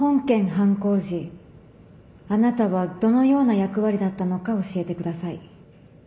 犯行時あなたはどのような役割だったのか教えて下さい。